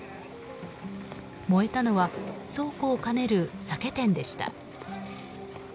燃えたのは倉庫を兼ねる酒店でした。